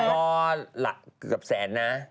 ก็หลักกับแสนนะ